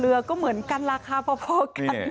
เรือก็เหมือนกันราคาพอกัน